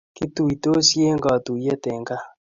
Kituitosii eng katuiyet eng kaa